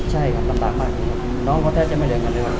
ใช่ค่ะต่างมากน้องก็แทบจะไม่เหลือกันเลยว่ะ